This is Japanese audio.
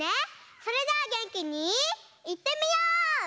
それじゃあげんきにいってみよう！